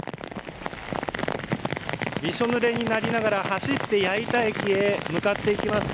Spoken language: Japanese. びしょぬれになりながら走って矢板駅へ向かっていきます。